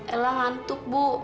ella ngantuk bu